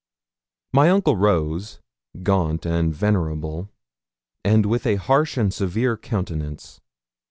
My uncle rose, gaunt and venerable, and with a harsh and severe countenance.